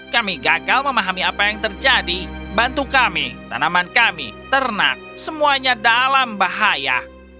kami gagal memahami apa yang terjadi bantu kami tanaman kami ternak semuanya dalam bahaya